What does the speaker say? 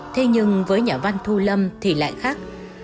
thế nhưng với nhà văn thu lâm thì lại khác